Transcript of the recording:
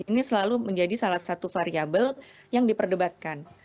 ini selalu menjadi salah satu variable yang diperdebatkan